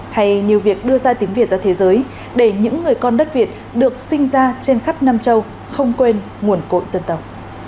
hay như việc đưa ra tiếng việt ra thế giới để những người con đất việt được sinh ra trên khắp nam châu không quên nguồn cội dân tộc